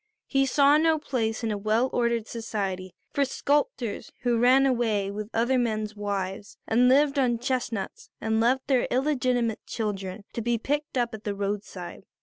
He saw no place in a well ordered society for sculptors who ran away with other men's wives and lived on chestnuts and left their illegitimate children to be picked up at the roadside.